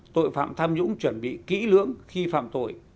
tội phạm tham nhũng chuẩn bị kỹ lưỡng khi phạm tội